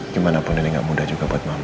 gimanapun ini gak mudah juga buat mama kan